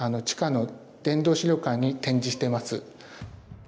地下の殿堂資料館に展示してます。